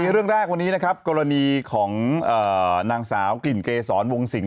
เร่งสืบคดีอะไร